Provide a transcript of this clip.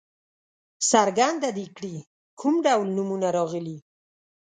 څرګنده دې کړي کوم ډول نومونه راغلي.